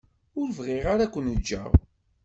Ur bɣiɣ ara ad ken-ǧǧeɣ.